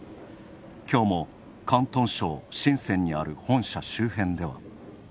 今日も広東省、深センにある本社周辺では。